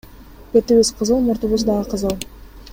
Бетибиз кызыл, мурдубуз дагы кызыл.